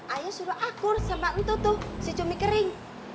ayo suruh akur sama itu tuh si cumi kering